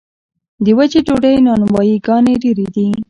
د وچې ډوډۍ نانوایي ګانې ډیرې دي